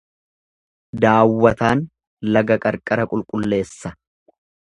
Daawwataan laga qarqara qulqulleessa.